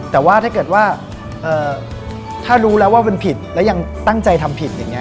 แต่ว่าถ้าเกิดว่าถ้ารู้แล้วว่ามันผิดแล้วยังตั้งใจทำผิดอย่างนี้